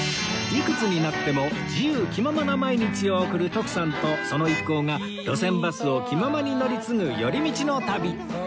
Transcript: いくつになっても自由気ままな毎日を送る徳さんとその一行が路線バスを気ままに乗り継ぐ寄り道の旅